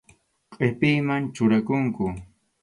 Qʼipiyman churakunku.